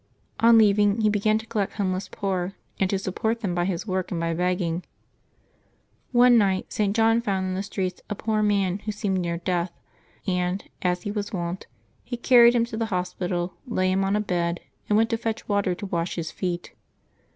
On leaving he began to collect homeless poor, and to support them by his work and by begging. One night St. John found in the streets a poor man who seemed near death, and, as was his wont, he carried him to the hospital, laid him on a bed, and went to fetch water to wash his feet.